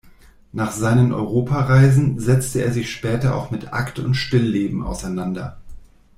Nach seinen Europareisen setzte er sich später auch mit Akt und Stillleben auseinander.